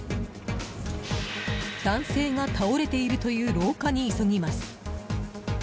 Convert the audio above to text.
男性が倒れているという廊下に急ぎます。